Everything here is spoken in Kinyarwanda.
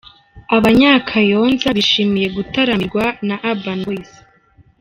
Abanya-Kayonza bishimiye gutaramirwa na Urban Boys.